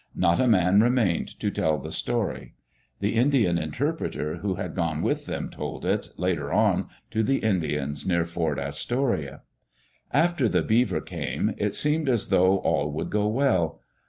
Not a man remained to tell the story. The Indian interpreter who had gone with them told it, later on, to the Indians near Fort Astoria. After the Beaver came, it seemed as though all would go well.